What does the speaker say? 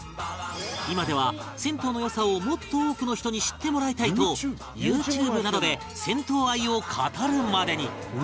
今では銭湯の良さをもっと多くの人に知ってもらいたいと ＹｏｕＴｕｂｅ などで銭湯愛を語るまでに